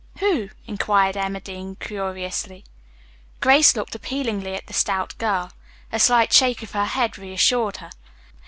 "Who?" inquired Emma Dean curiously. Grace looked appealingly at the stout girl. A slight shake of the head reassured her.